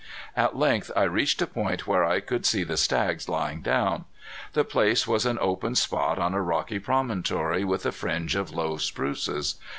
At length I reached a point where I could see the stags lying down. The place was an open spot on a rocky promonotory with a fringe of low spruces.